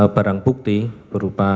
barang bukti berupa